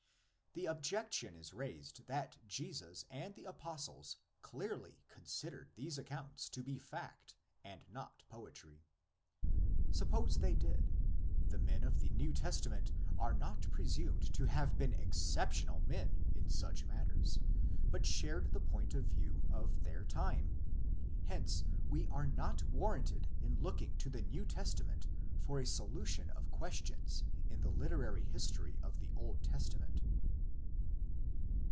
The objection is raised that Jesus and the Apostles clearly considered these accounts to be fact and not poetry. Suppose they did; the men of the New Testament are not presumed to have been excep tional men in such matters, but shared the point of view of their time. Hence we are not warranted in looking to the New Testament for a solution of questions in the literary history of the Old Testa ment.